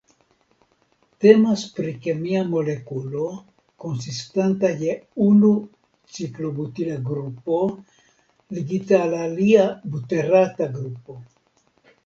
Temas pri kemia molekulo konsistanta je unu ciklobutila grupo ligita al alia buterata grupo.